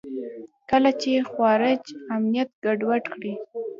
کله چې خوارج امنیت ګډوډ کړي.